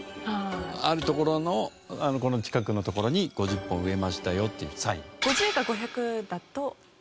ある所のこの近くの所に５０本植えましたよっていうサイン。